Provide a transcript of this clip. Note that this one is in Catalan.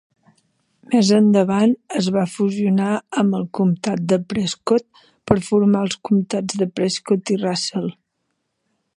Més endavant es va fusionar amb el comtat de Prescott per formar els comtats de Prescott i Russell.